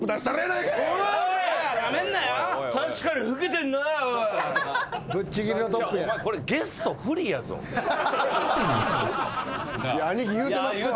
いや兄貴言うてますわ。